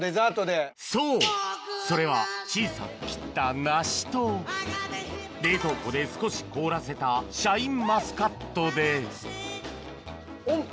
そうそれは小さく切った梨と冷凍庫で少し凍らせたシャインマスカットでオン。